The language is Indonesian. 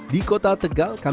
di kota tegal